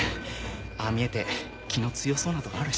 ああ見えて気の強そうなとこあるし。